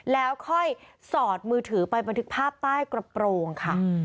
แล้วค่อยสอดมือถือไปบันทึกภาพใต้กระโปรงค่ะ